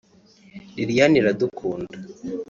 Liliane Iradukunda